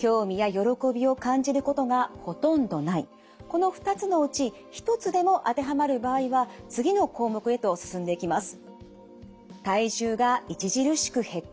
この２つのうち１つでも当てはまる場合は次の項目へと進んでいきます。